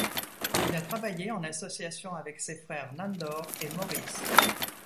Il a travaillé en association avec ses frères Nándor et Maurice.